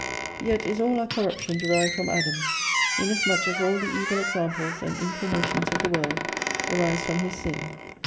Yet is all our corruption derived from Adam : inasmuch as all the evil examples and inclinations of the world arise from his sin.